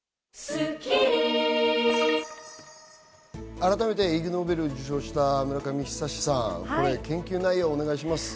改めてイグ・ノーベルを受賞した村上久さん、研究内容をお願いします。